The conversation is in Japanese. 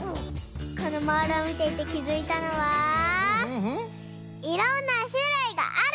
このモールをみていてきづいたのは「いろんなしゅるいがある！」